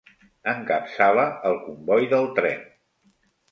Encapçala el comboi del tren.